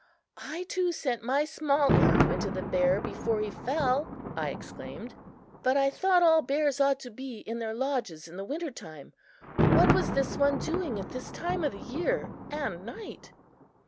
I too sent my small arrow into the bear before he fell," I exclaimed. "But I thought all bears ought to be in their lodges in the winter time. What was this one doing at this time of the year and night?"